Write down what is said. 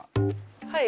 はい。